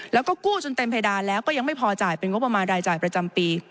แล้วก็กู้จนเต็มเพดานแล้วก็ยังไม่พอจ่ายเป็นงบประมาณรายจ่ายประจำปี